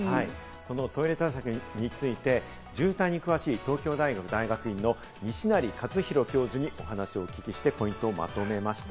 そのトイレ対策について、渋滞に詳しい東京大学大学院の西成活裕教授にお話を聞いて、ポイントをまとめました。